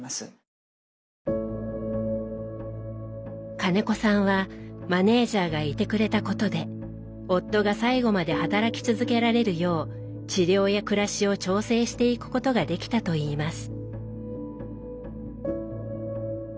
金子さんはマネージャーがいてくれたことで夫が最後まで働き続けられるよう治療や暮らしを調整していくことができたといいます。